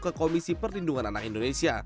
ke komisi perlindungan anak indonesia